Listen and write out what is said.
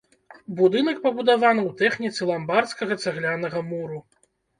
Будынак пабудавана ў тэхніцы ламбардскага цаглянага муру.